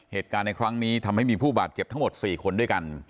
เหตุการณ์ในครั้งนี้ทำให้มีผู้บาดเจ็บทั้งหมด๔คนด้วยกัน